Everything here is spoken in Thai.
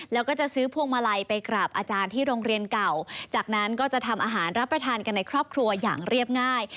แล้วก็จะซื้อพวงมาลัยไปกราบอาจารย์ที่โรงเรียนเก่าจากนั้นก็จะทำอาหารรับประทานกันในครอบครัวอย่างเรียบง่าย